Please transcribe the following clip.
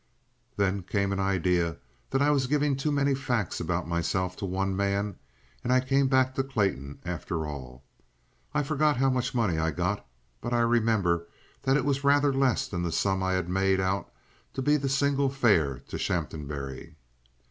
Then came an idea that I was giving too many facts about myself to one man, and I came back to Clayton after all. I forget how much money I got, but I remember that it was rather less than the sum I had made out to be the single fare to Shaphambury.